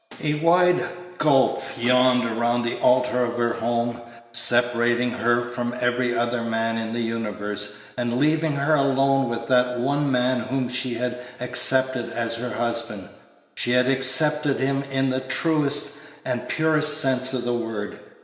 A wide gulf yawned around the altar of her home, separating her from every other man in the universe, and leaving her alone with that one man whom she had accepted as her husband. She had accepted him in the truest and purest sense of the word.